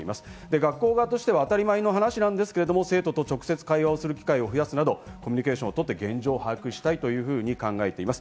学校側としては当たり前のことなんですが、生徒と直接会話をする機会を増やすなどコミュニケーションをとって現状を把握したいと考えています。